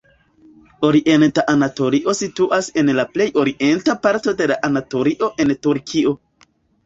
Orienta Anatolio situas en la plej orienta parto de Anatolio en Turkio.